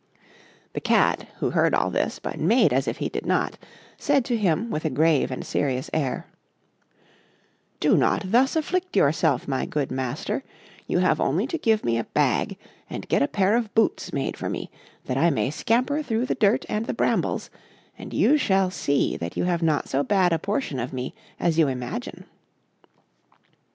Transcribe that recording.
The Cat, who heard all this, but made as if he did not, said to him with a grave and serious air: "Do not thus afflict yourself, my good master; you have only to give me a bag, and get a pair of boots made for me, that I may scamper thro' the dirt and the brambles, and you shall see that you have not so bad a portion of me as you imagine."